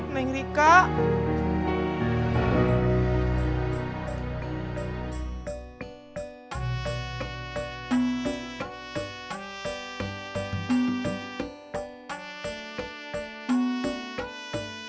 meherika khatir tentang dirinya